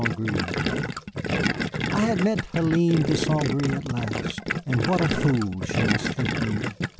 GRE I had met Hélène de St. Gré at last. And what a fool she must think me!